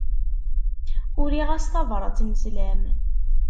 Uriɣ-as tabrat n sslam.